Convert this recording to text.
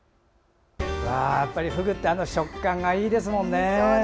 やっぱりフグって食感がいいですもんね。